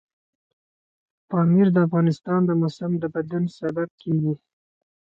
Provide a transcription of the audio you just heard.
پامیر د افغانستان د موسم د بدلون سبب کېږي.